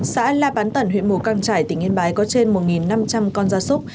xã la bán tẩn huyện mù căng trải tỉnh yên bái có trên một năm trăm linh con gia súc